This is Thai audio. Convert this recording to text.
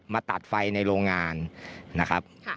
ตัดไฟในโรงงานนะครับ